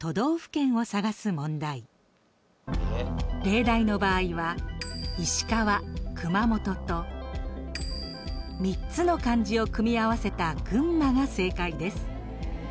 例題の場合は「石川」「熊本」と３つの漢字を組み合わせた「群馬」が正解です。